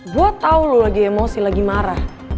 gue tau loh lagi emosi lagi marah